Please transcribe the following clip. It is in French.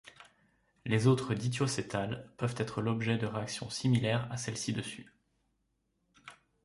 Les autres dithioacétals peuvent être l'objet de réactions similaires à celle ci-dessus.